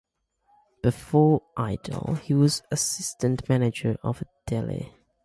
Before "Idol", he was assistant manager of a deli.